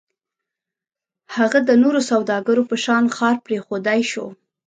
هغه د نورو سوداګرو په شان ښار پرېښودای شو.